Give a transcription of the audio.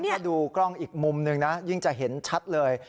ถ้าดูกล้องอีกมุมหนึ่งนะยิ่งจะเห็นชัดเลย